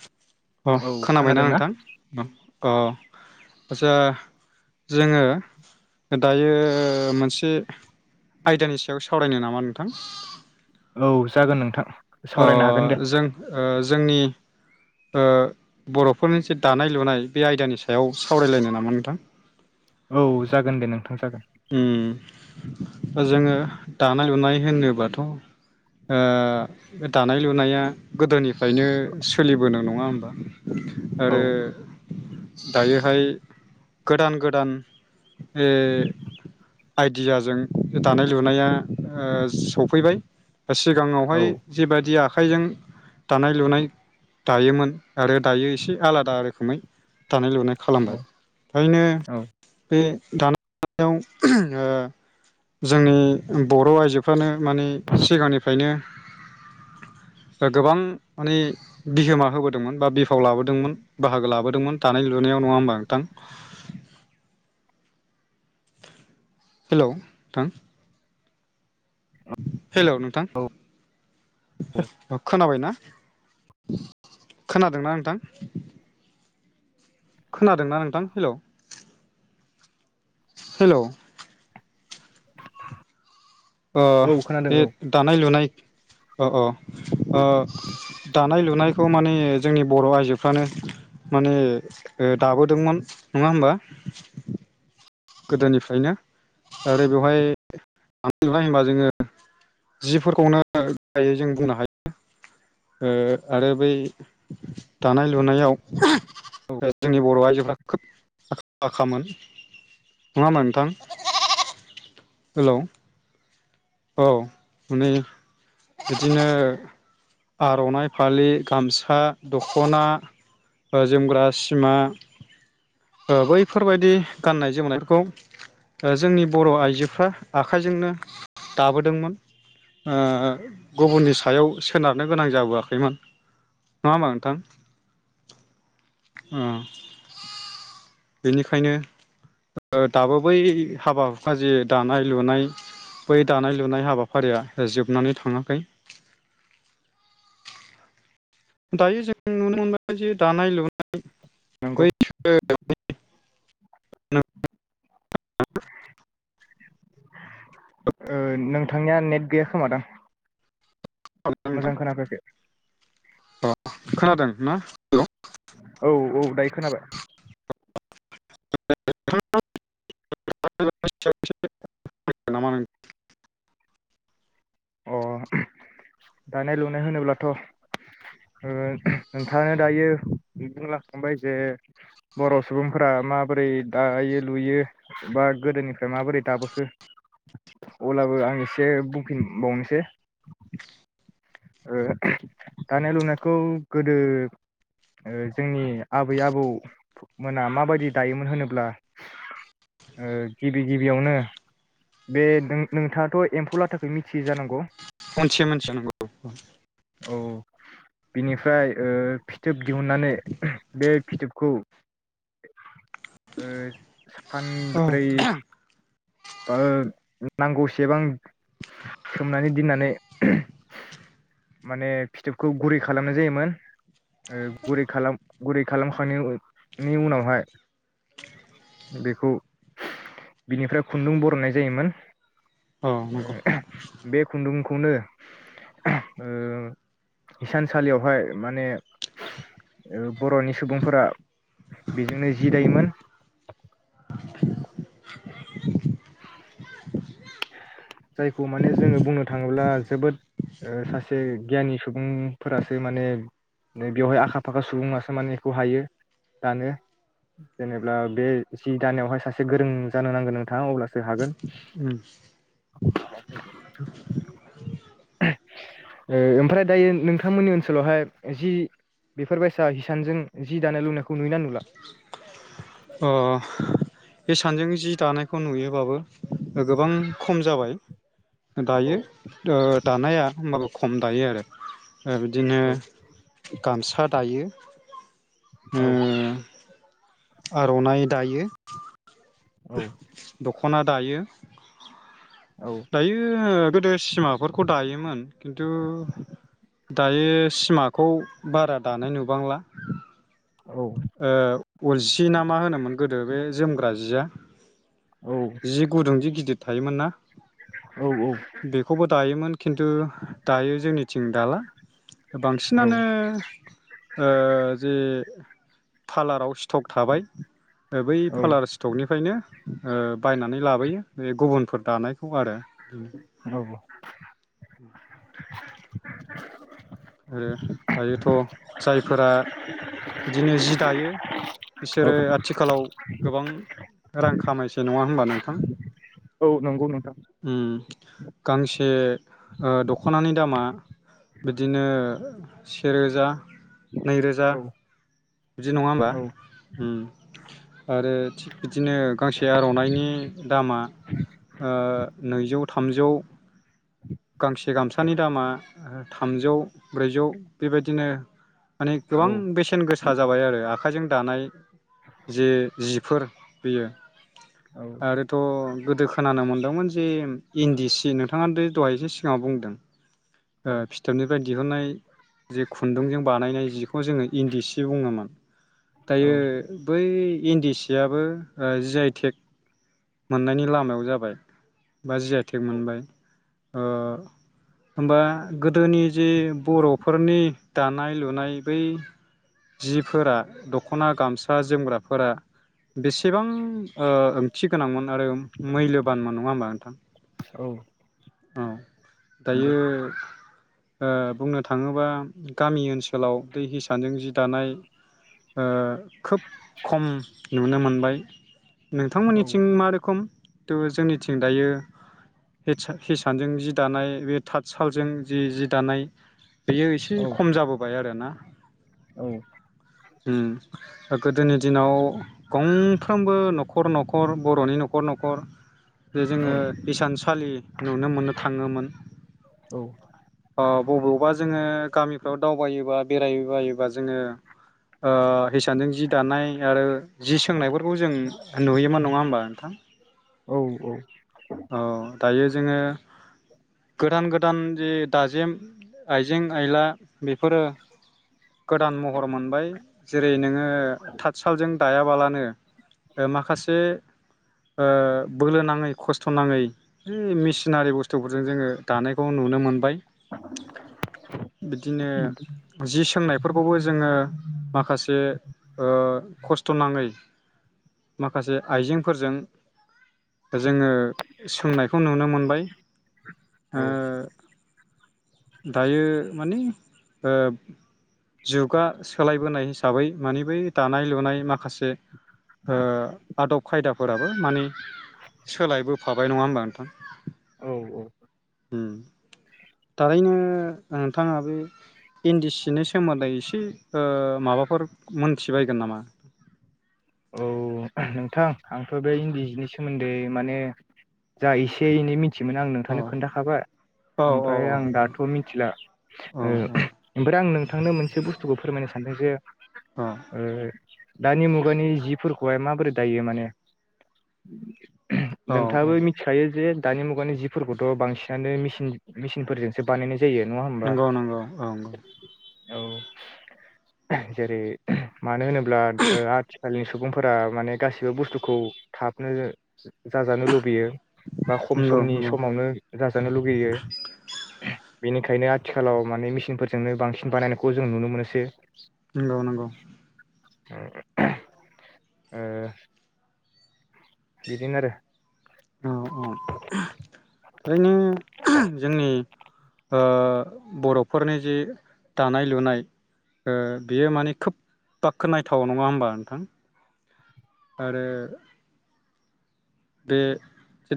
[inaudible] अ औ खोनाबायना खोनादोंना नोंथां? अ‌ अ आच्सा जोङो दायो मोनसे आयदानि सायाव सावरायनो नामा नोंथां? औ जागोन नोंथां। ओ सावरायनो हागोन दे जों ओ जोंनि ओ बर'फोरनि जे दानाय लुनाय बे आयदानि सायाव सावरायलायनो नामा नोंथां? औ जागोन दे नोंथां जागोन। ओम जोङो दानाय लुनाय होनोबाथ' ओ दानाय लुनाया गोदोनिफ फायनो सोलिबोनाय नङा होम ओ औ आरो दायोहाय गोदान गोदान ए आइडियाजों दानाय लुनाया ओ सफैबाय। औ सिगाङावहाय जिबायदि आ आखाइजों दानाय लुनाय दायोमोन आरो दायो एसे आलादा रोखोमै दानाय लुनाय औ खालामबाय ओखायनो औ बे दाना [unintelligible] ओ जोंनि बर' आइजोफ्रानो माने सिगांनिफ्रायनो गोबां माने बिहोमा होबोदोंमोन बा बिफाव लाबोदोंमोन बाहागो लाबोदोंमोन दानाय लुनायाव नङा होमबा नोंथां? हेलौ नोंथां। हेलौ नोंथां खोनाबायना? खोनादोंना नोंथां? खोनादोंना नोंथां हेलौ हेलौ। [inaudible] अ अ औ खोनादों बे औ दानाय लुनायष औ औ ओ दानाय लुनायखौ माने जोंनि बर' आइजोफ्रानो माने ओ दाबोदोंमोन नङा होमबा? गोदोनिफ्रायनो आरो बेवहाय दानाय लुनाय होनबा जोङो जिफोरखौनो गायै जों बुंनो हायो ओ आरो बै दानाय लुनायाव औ [unintelligible] जोंनि बर' आइजोफ्रा खोब आखा फाखामोन। नङा होमबा नोंथां? [inaudible] हेलौ। औ माने बिदिनो आर'नाइ फालि, गामसा दखना जोमग्रा सिमा बैफोरबायदि गाननाय जोमनायफोरखौ जोंनि बर' आइजोफ्रा आखाइजोंनो दाबोदोंमोन, ओ गुबुननि सायाव सोनारनो गोनां जाबोआखैमोन नङा ओमबा नोंथा? ओ बेनिखायनो दाबो बै हाबा हुखा जे दानाय लुनाय बै दानाय लुनाय हाबाफारिया जोबनानै थाङाखै दायो जों नुनो मोनबाय जे दानाय लुनाय नंगौ बै [unintelligible] [unintelligible] ओ नोंथांनिया नेट गैया खोमा दां? [unintelligible] नोंथां अ खोनादों ना हेलौ? औ औ दायो खोनाबाय। [unintelligible] नामा अ दानाय लुनाय होनोब्लाथ' ओ नोंथाङानो दायो बुंलांखांबाय जे बर' सुबुंफोरा माबोरै दायो लुयो बा गोदोनिफ्राय माबोरै दाबोखो अब्लाबो आं एसे बुंफिन बावनोसै ओ दानाय लुनायखौ गोदो ओ जोंनि आबै आबौमोना माबायदि दायोमोन होनोब्ला ओ गिबि गिबियावनो बे नों-नोंथाङाथ' एम्फौ लाथाखो मिथियो जानांगौ? मोनथियो मोनथियो नंगौ औ औ बिनिफ्राय ओ फिथोब दिहुननानै बे फिथोबखौ ओ औ फानब्रै ओ नांगौ सेबां सोमनानै दिननानै माने फिथोबखौ गुरै खालामनाय जायोमोन गुरै खालाम गुरै खालामखांनायनि उनावहाय बेखौ बिनिफ्राय खुन्दुं बर'ननाय जायोमोन। औ नंगौ ओ बे खुन्दुंखौनो ओ हिसानसालियावहाय माने ओ बर'नि सुबुंफोरा बेजोंनो जि दायोमोन। [inaudible] जायखौ माने जोङो बुंनो थाङोब्ला जोबोद ओ सासे गियानि सुबुंफोरासो माने बेवहाय आखा फाखा सुबुंआसो माने इखौ हायो दानो जेनेब्ला बे जि दानायावहाय सासे गोरों जानो नांगोन नोंथाङा अब्लासो हागोन। उम [unintelligible] ओ ओमफ्राय दायो नोंथांमोननि ओनसोलावहाय जि बेफोरबायसा हिसानजों जि दानाय लुनायखौ नुयोना नुला? अ हिसानजों जि दानायखौ नुयोबाबो गोबां खम जाबाय। औ दायो ओ दानाया होमबाबो खम दायो आरो ओ बिदिनो औ गामसा दायो ओ औ आर'नाइ दायो औ दख खना दायो औ दायो गोदो सिमाफोरखौ दायोमोन किन्तु दायो सिमाखौ बारा दानाय नुबांला। औ ओ उलसि ना मा होनोमोन गोदो बे जोमग्रा जिया? औ जि गुदुं दि गिदिद थायोमोन ना? बेखौबो दायोमोन खिन्थु दायो जोंनिथिं दा ला बांसिनानो ओ जे फालाराव स्थ'क थाबाय बै औ फालार स्थ'कनिफ्रायनो ओ बायनानै लाबोयो बे गुबुनफोर दानायखौ आरो औ। [inaudible] आरो दायोथ' जायफोरा बिदिनो जि दायो औ बिसोरो आथिखालाव गोबां रां खामायसै नङा होनबा नोंथां? औ नंगौ नोंथां। उम गांसे दख'नानि दामा बि बिदिनो सेे रोजा नै रोजा औ बिदि नङा होमबा? औ आरो थि बिदिनो गांसे आर'नाइनि दामा ओ नैजौ थामजौ गांसे गामसानि दामा थामजौ ब्रैजौ बेबायदिनो माने गोबां औ बेसेन गोसा जाबाय आरो आखायजों दानाय जे जिफोर बेयो। औ आरोथ' गोदो खोनानो मोनदोंमोन जे इन्दि सि नोंथाङा बे दहाय इसे सिगाङाव बुंदों ओ औ फिथोबनिफ्राय दिहुननाय जे खुन्दुंजों बानायनाय जिखौ जोङो इन्दि सि बुङोमोन। दायो औ बै इन्दि सियाबो ओ जि आइ टेक मोननायनि लामायाव जाबाय बा जि आइ टेक मोनबाय। ओ होमबा गोदोनि जे बर'फोरनि दानाय लुनाय बै जिफोरा दख'ना गामसा जोमग्राफोरा बेसेबां ओ ओंथि गोनांमोन आरो मैल'बानमोन नङा होमबा नोंथां? औ औ नंगौ दायो ओ बुंनो थाङोबा गामि ओनसोलाव बै हिसानजों जि दानाय ओ खोब खम नुनो मोनबाय। औ नोंथांमोननिथिं मा रोखोम तो जोंनिथिं दायो हेडसाइ हिसानजों जि दानाय बे थाथ सालजों जि जि दानाय बेयो एसे औ खम जाबोबाय आरो ना। औ। ओ गोदोनि दिनाव गंफ्रोमबो न'खर न'खर बर'नि न'खर न'खर बेे औ जोङो इसानसालि नुनो मोननो थाङोमोन। ओ बबेयावबा जोङो गामिफ्राव दावबायोबा बेरायबायोबा जोङो ओ हिसानजों जि दानाय आरो जि सोंनायफोर खौ जों नुहैयोमोन नङा होमबा नोंथां? औ। दायो जोङो गोदान गोदान जे दाजेम आइजें आइला बेफोरो गोदान महर मोनबाय। जेरै नोङो थाथसालजों दायाबालानो माखासे ओ बोलो नाङै खस्थ' नाङै [unintelligible] मेसिनारि बुस्थुफोरजों जोङो दानायखौ नुनो मोनबाय। बिदिनो जि सोंनायफोरखौबो जोङो माखासे ओ खस्थ' नाङै माखासे आइजेंफोरजों जोङो सोंना खौ नुनो मोनबाय ओ दायो मानि ओ जुगा सोलायबोनाय हिसाबै मानि बै दानाय लुनाय माखासे ओ आदब खायदाफोराबो मानि सोलायबोफाबाय नङा होमबा नों थां? औ औ। ओम थारैनो ओ नोंथाङाबो इन्दि सिनि सोमोन्दै एसे ओ माबाफोर मोनथिबायगोन नामा? औ नोंथां आंथ' बे इन्दि जिनि सोमोन्दै माने जा एसे एनै मि थियोमोन आं अ नोंथांनो खोन्थाखाबाय औ औ ओमफ्राय आं दाथ' मिथिला औ ओ औ ओमफ्राय आं नों थांनो मोनसे बुस्थुखौ फोरमायनो सानदों जे ओ औ ओ। दानि मुगानि जिफोरखौहाय माबोरै दायो माने? औ औ नोंथाङाबो मिथिखायो जे दानि मुगानि जिफोरखौथ' बांसिनानो मेसिन मेसिनफोरजोंसो बानायनाय जायो नङा होमबा नंगौ नंगौ औ नंगौ। औ जेरै मानो होनो ब्ला ओ आथि खालनि सुबुंफोरा माने गासिबो बुस्थुखौ थाबनो जाजानो लुबैयो बा खम नंगौ समनि नंगौ समावनो जाजानो लुुबैयो। बेनिखायनो आथिखालाव माने मेसिनफोरजोंनो बांसिन बानायनायखौ जों नुनो मोनोसै नंगौ नंगौ [unintelligible] ओ बिदिनो आरो औ औ थारैनो जोंनि ओ बर'फोरनि जि दानाय लुनाय ओ बियो माने खोब बाखनायथाव नङा होमबा नोंथां आरो बे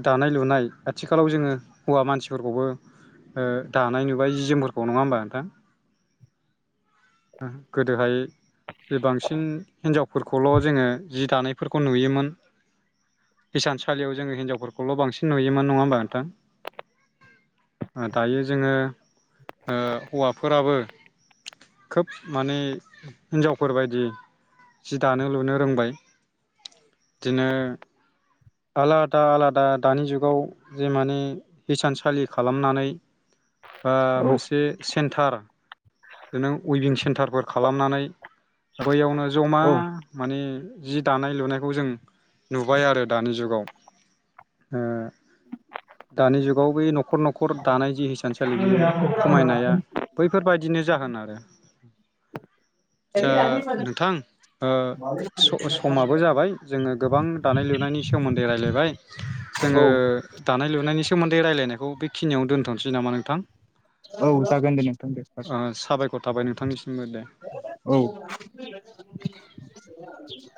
दानाय लुनाय आथिखालाव जोङो हौवा मानसिफोरखौबो ओ दानाय नुबाय जि जोमफोरखौ नङा होमबा नोंथां गोदोहाय बे बांसिन हिनजावफोरखौल' जोङो जि दानायफोरखौ नुयोमोन हिसानसालियाव जोङो हिनजावफोरखौल' बांसिन नुयोमोन नङा होमबा नोंथां दायो जोङो ओ हौवाफोराबो खोब माने हिन्जावफोरबायदि जि दानो लुनो रोंबाय बिदिनो आलादा आलादा दानि जुगाव जे माने हिसानसालि खालामनानै बा आरो मोनसे सेन्टार बि उइभिं सेन्टारफोर खालामनानै बैयावनो जमा औ माने जि दानाय लुनायखौ जों नुबाय आरो दानि जुगाव दानि जुगाव बे न'खर न'खर दानाय जि हसानस [unintelligible] बैफोरबायाद बिदिनो जागोन आरो आसा नोंथां समाबो जाबाय जोङो गोबां दानाय लुनायनि सोमोन्दै रायज्लायबाय जोङो दानाय लुन नायनि सोमोन्दैायलायनायखौ बेखिनिनो दोनथनोसै नामा नोंथां औ ओ जागोन साबायखर थाबाय नोंथांनिसिमबो दे द नो [unintelligible] औ